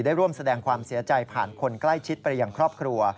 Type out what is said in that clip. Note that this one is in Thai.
ได้ร่วมแสดงความเสียใจผ่านคนใกล้ชิดไปยังครอบครัว